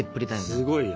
すごいよ。